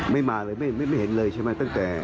ไม่มาเลยไม่เห็นเลยใช่ไหมตั้งแต่